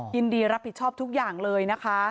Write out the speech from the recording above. ยินดีรับผิดชอบทุกอย่างเลยนะคะ